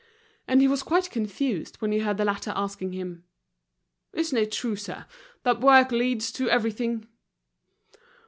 And he was quite confused when he heard the latter asking him: "Isn't it true, sir, that work leads to everything?"